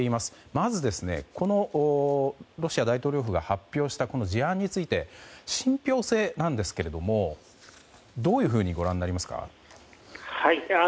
まず、このロシア大統領府が発表した事案について信憑性なんですけれどもどういうふうにご覧になりますか？